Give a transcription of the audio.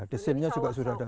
desainnya juga sudah ada